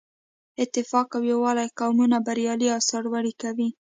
اتفاق او یووالی قومونه بریالي او سرلوړي کوي.